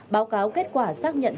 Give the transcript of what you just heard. báo cáo kết quả xác nhận